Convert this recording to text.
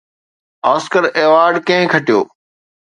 Oscar award ڪنهن کٽيو؟